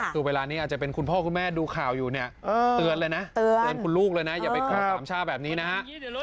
คือเวลานี้อาจจะเป็นคุณพ่อคุณแม่ดูข่าวอยู่เนี่ยเตือนเลยนะเตือนคุณลูกเลยนะอย่าไปฆ่าสามชาติแบบนี้นะฮะ